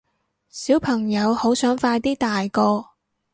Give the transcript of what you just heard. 小朋友好想快啲大個